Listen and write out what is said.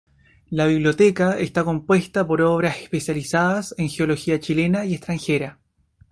La biblioteca está compuesta por obras especializadas en genealogía chilena y extranjera.